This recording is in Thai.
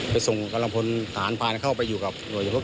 ไปส่งกำลังพลทหารพรานเข้าไปอยู่กับ